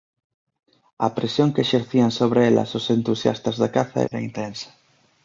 A presión que exercían sobre elas os entusiastas da caza era intensa.